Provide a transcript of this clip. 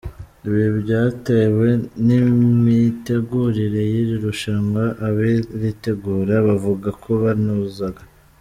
Ibi byatewe n’imitegurire y’iri rushanwa, abaritegura bavuga ko banozaga.